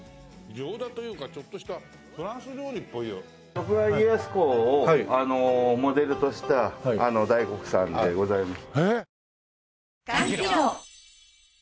徳川家康公をモデルとした大黒さんでございます。